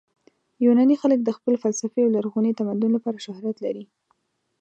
یوناني خلک د خپل فلسفې او لرغوني تمدن لپاره شهرت لري.